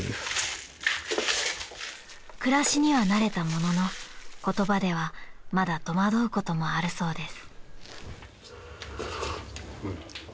［暮らしには慣れたものの言葉ではまだ戸惑うこともあるそうです］